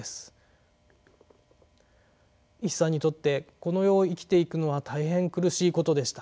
一茶にとってこの世を生きていくのは大変苦しいことでした。